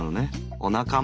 お仲間。